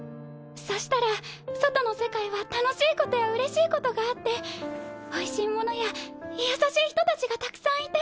そしたら外の世界は楽しいことやうれしいことがあっておいしいものや優しい人たちがたくさんいて。